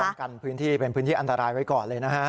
กันพื้นที่เป็นพื้นที่อันตรายไว้ก่อนเลยนะฮะ